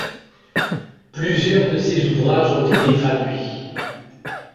Plusieurs de ses ouvrages ont été traduits.